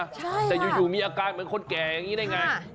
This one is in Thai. ใช่ค่ะแต่อยู่อยู่มีอาการเหมือนคนแก่อย่างงี้ได้ไงค่ะ